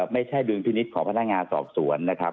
ดุลพินิษฐ์ของพนักงานสอบสวนนะครับ